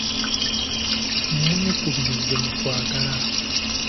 Mwekubirize mu kwagala.